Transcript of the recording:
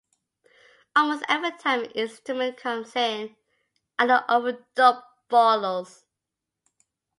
Almost every time an instrument comes in, another overdub follows.